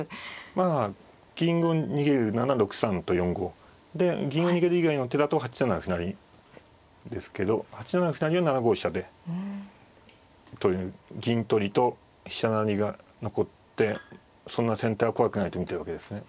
まあ銀を逃げるなら６三と４五。で銀を逃げる以外の手だと８七歩成ですけど８七歩成を７五飛車でという銀取りと飛車成りが残ってそんな先手は怖くないと見てるわけですね。